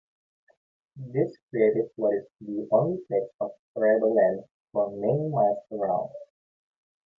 This created what is the only patch of arable land for many miles around.